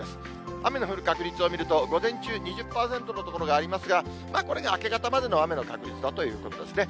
雨の降る確率を見ると、午前中２０％の所がありますが、これが明け方までの雨の確率だということですね。